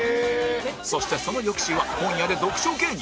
そしてその翌週は本屋で読書芸人